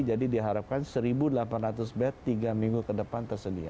jadi diharapkan seribu delapan ratus bed tiga minggu ke depan tersedia